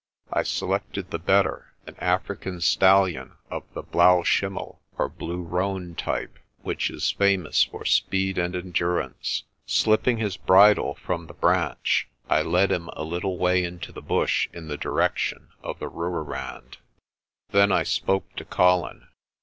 I selected the better, an African stallion of the blaau'w schlmmel^ or blue roan type, which is famous for speed and endurance. Slip ping his bridle from the branch, I led him a little way into the bush in the direction of the Rooirand. THE STORE AT UMVELOS' 125 Then I spoke to Colin.